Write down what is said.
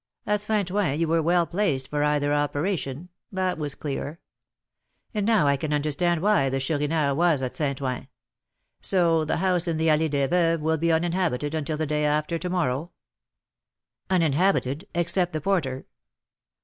At St. Ouen you were well placed for either operation, that was clear; and now I can understand why the Chourineur was at St. Ouen. So the house in the Allée des Veuves will be uninhabited until the day after to morrow?" "Uninhabited, except the porter."